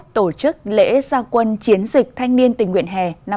tổ chức lễ gia quân chiến dịch thanh niên tỉnh nguyện hè năm hai nghìn hai mươi bốn